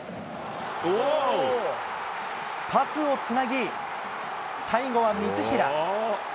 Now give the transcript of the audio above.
パスをつなぎ、最後は三平。